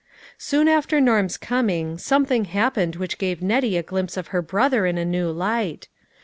Soon after Norm's coming, something hap pened which gave Nettie a glimpse of her brother in a new light.